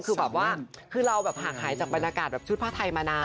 คือแบบว่าคือเราแบบห่างหายจากบรรยากาศแบบชุดผ้าไทยมานาน